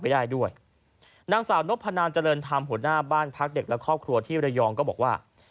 ได้ด้วยนางสาวนพนานเจริญธรรมหัวหน้าบ้านพักเด็กและครอบครัวที่ระยองก็บอกว่า